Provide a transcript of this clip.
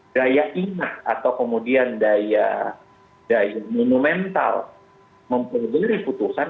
daya ingat atau kemudian daya monumental memperoleri putusan